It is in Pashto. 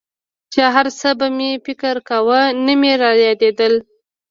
چې هرڅه به مې فکر کاوه نه مې رايادېدل.